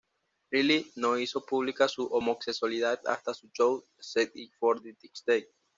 Reilly no hizo pública su homosexualidad hasta su show "Save It for the Stage".